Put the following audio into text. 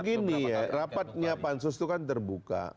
begini ya rapatnya pansus itu kan terbuka